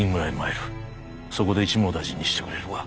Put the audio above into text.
そこで一網打尽にしてくれるわ。